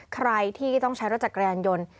ใครที่ต้องใช้รถจักรยานยนต์